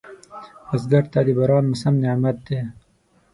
بزګر ته د باران موسم نعمت دی